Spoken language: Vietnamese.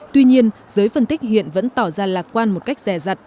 tuy nhiên giới phân tích hiện vẫn tỏ ra lạc quan một cách rè rặt